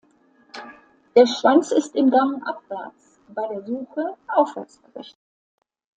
Der Schwanz ist im Gang abwärts, bei der Suche aufwärts gerichtet.